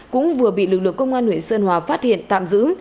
cũng vừa bị lực lượng công an huyện sơn hòa phát hiện tạm giữ